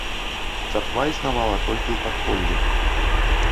Царква існавала толькі ў падполлі.